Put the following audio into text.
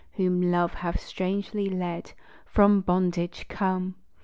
whom Love hath strangely led From bondage, come!